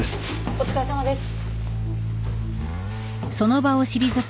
お疲れさまです。